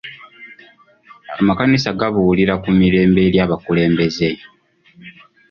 Amakanisa gabuulira ku mirembe eri abakulembeze.